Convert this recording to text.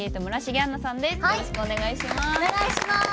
よろしくお願いします。